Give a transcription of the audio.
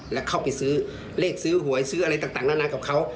แล้วเข้าไปซื้อเลขซื้อหวยซื้ออะไรต่างนานากับเขา